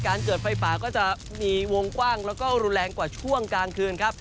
เกิดไฟป่าก็จะมีวงกว้างแล้วก็รุนแรงกว่าช่วงกลางคืนครับ